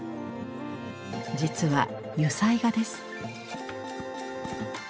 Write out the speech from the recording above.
実は油彩画です。